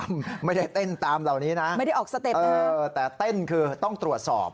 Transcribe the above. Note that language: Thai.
ไม่ได้เต้นตามเหล่านี้นะแต่เต้นคือต้องตรวจสอบ